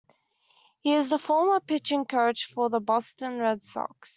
He is the former pitching coach for the Boston Red Sox.